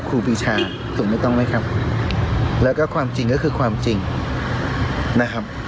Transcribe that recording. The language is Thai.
ครูปีชาถูกไม่ต้องไหมครับแล้วก็ความจริงก็คือความจริงนะครับ